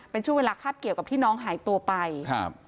เป็นช่วงเวลาคาบเกี่ยวกับที่น้องหายตัวไปครับ